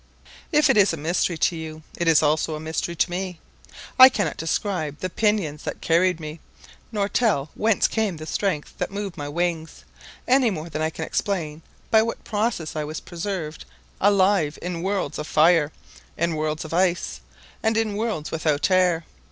If it is a mystery to you, it is also a mystery to me. I cannot describe the pinions that carried me, nor tell whence came the strength that moved my wings, any more than I can explain by what process I was preserved alive in worlds of fire, in worlds of ice, and in worlds without air.